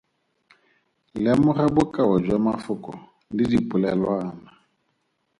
Lemoga bokao jwa mafoko le dipolelwana.